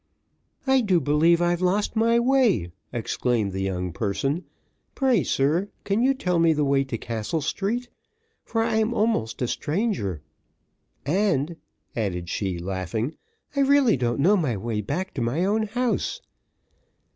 "I do believe I've lost my way," exclaimed the young person. "Pray, sir, can you tell me the way to Castle Street, for I'm almost a stranger? And" (added she, laughing) "I really don't know my way back to my own house."